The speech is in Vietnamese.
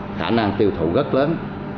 có khả năng tiêu thụ rất lớn